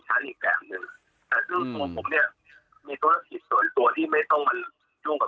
ถึงพี่เชื่อเอาว่านัดมาต่อยแล้วเขาจะมา